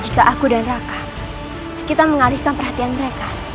jika aku dan raka kita mengalihkan perhatian mereka